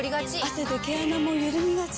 汗で毛穴もゆるみがち。